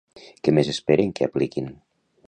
Què més esperen que apliquin?